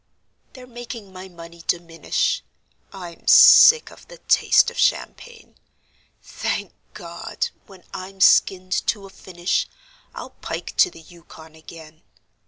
They're making my money diminish; I'm sick of the taste of champagne. Thank God! when I'm skinned to a finish I'll pike to the Yukon again.